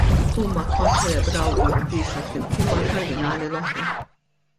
Huma kkonċelebraw il-quddiesa flimkien mal-kardinali l-oħra.